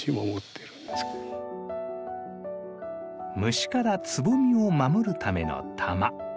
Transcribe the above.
虫からつぼみを守るための玉。